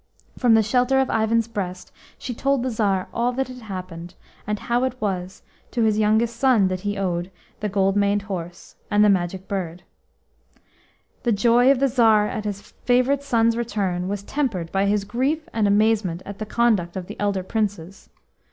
From the shelter of Ivan's breast she told the Tsar all that had happened, and how it was to his youngest son that he owed the gold maned horse and the Magic Bird. The joy of the Tsar at his favourite son's return was tempered by his grief and amazement at the conduct of the elder Princes.